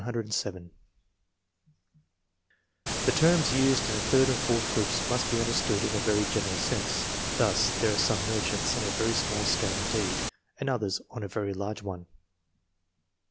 X 107 The terms used in the third and fourth groups must be understood in a very general sense ; thus, there are some " merchants'' on a very small scale indeed, and others on a very large one.